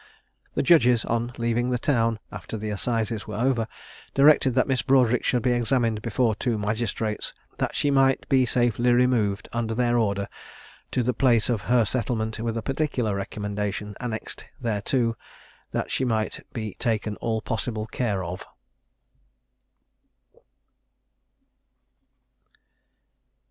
The judges, on leaving the town, after the assizes were over, directed that Miss Broadric should be examined before two magistrates, that she might be safely removed, under their order, to the place of her settlement, with a particular recommendation annexed thereto, that she might be taken all possible care of.